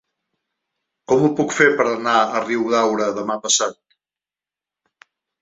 Com ho puc fer per anar a Riudaura demà passat?